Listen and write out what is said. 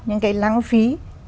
những cái lăng phí